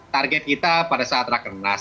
target kita pada saat rakernas